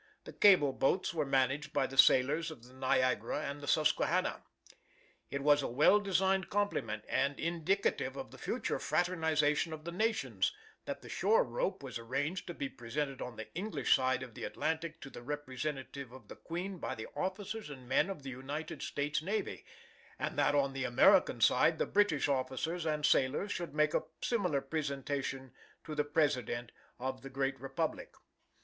The cable boats were managed by the sailors of the Niagara and the Susquehanna. It was a well designed compliment, and indicative of the future fraternization of the nations, that the shore rope was arranged to be presented on the English side of the Atlantic to the representative of the Queen by the officers and men of the United States navy, and that on the American side the British officers and sailors should make a similar presentation to the President of the great republic.